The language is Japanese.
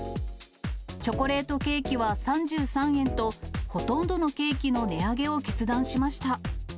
チョコレートケーキは３３円と、ほとんどのケーキの値上げを決断しました。